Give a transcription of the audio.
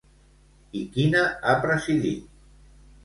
I quina ha presidit?